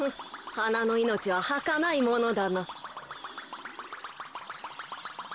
はなのいのちははかないものだな。